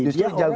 dia orang yang